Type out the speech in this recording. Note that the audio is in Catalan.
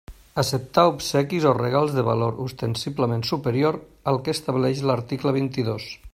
Acceptar obsequis o regals de valor ostensiblement superior al que estableix l'article vint-i-dos.